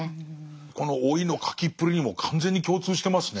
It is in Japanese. この老いの書きっぷりにも完全に共通してますね。